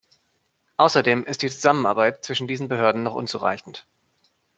Außerdem ist die Zusammenarbeit zwischen diesen Behörden noch unzureichend.